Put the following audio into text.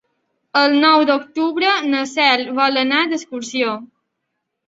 El nou d'octubre na Cel vol anar d'excursió.